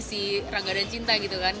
si raga dan cinta gitu kan